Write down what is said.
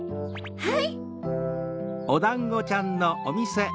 はい。